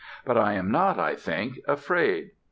But I am not, I think, afraid.